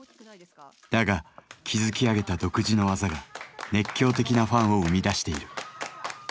だが築き上げた独自の技が熱狂的なファンを生み出している。